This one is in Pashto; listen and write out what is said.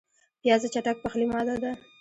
پیاز د چټک پخلي ماده ده